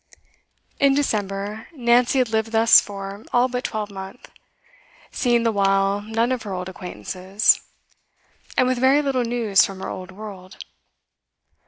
In December, Nancy had lived thus for all but a twelvemonth, seeing the while none of her old acquaintances, and with very little news from her old world.